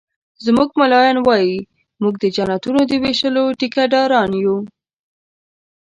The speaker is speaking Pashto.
زموږ ملایان وایي مونږ د جنتونو د ویشلو ټيکه داران یو